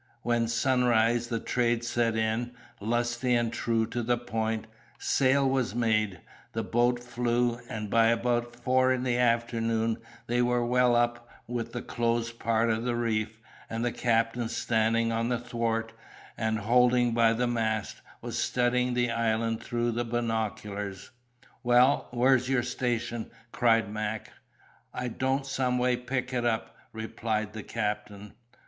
With sunrise the trade set in, lusty and true to the point; sail was made; the boat flew; and by about four in the afternoon, they were well up with the closed part of the reef, and the captain standing on the thwart, and holding by the mast, was studying the island through the binoculars. "Well, and where's your station?" cried Mac. "I don't someway pick it up," replied the captain.